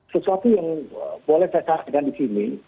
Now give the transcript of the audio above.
sesuatu yang boleh saya sampaikan di sini